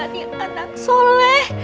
kalian menjadi anak soleh